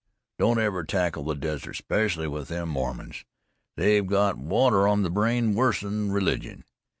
Don't ever tackle the desert, 'specially with them Mormons. They've got water on the brain, wusser 'n religion.